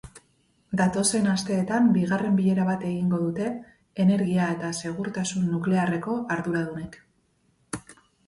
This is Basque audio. Datozen asteetan bigarren bilera bat egingo dute energia eta segurtasun nuklearreko arduradunek.